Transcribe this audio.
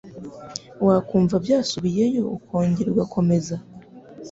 wakumva byasubiyeyo ukongera ugakomeza.